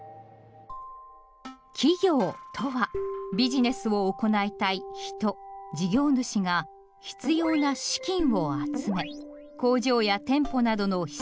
「企業」とはビジネスを行いたい人・事業主が必要な「資金」を集め工場や店舗などの施設を用意し